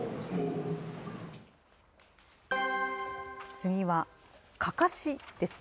次は、かかしです。